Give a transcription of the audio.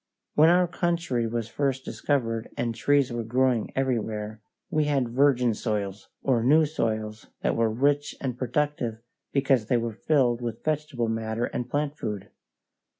When our country was first discovered and trees were growing everywhere, we had virgin soils, or new soils that were rich and productive because they were filled with vegetable matter and plant food.